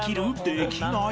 できない？